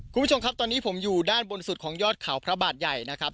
คุณผู้ชมครับตอนนี้ผมอยู่ด้านบนสุดของยอดเขาพระบาทใหญ่นะครับ